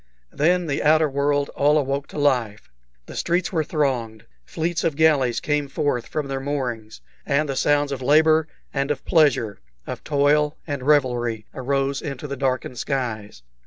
Then the outer world all awoke to life; the streets were thronged, fleets of galleys came forth from their moorings, and the sounds of labor and of pleasure, of toil and revelry, arose into the darkened skies.